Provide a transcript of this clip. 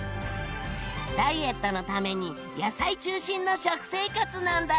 ダイエットのために野菜中心の食生活なんだって。